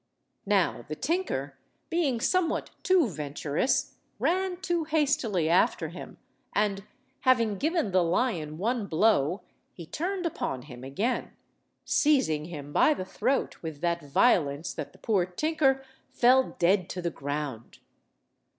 Now the tinker, being somewhat too venturous, ran too hastily after him, and, having given the lion one blow, he turned upon him again, seizing him by the throat with that violence that the poor tinker fell dead to the ground.